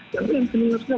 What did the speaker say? tapi yang senior senior